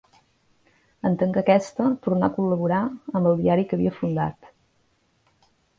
En tancar aquesta, tornà a col·laborar amb el diari que havia fundat.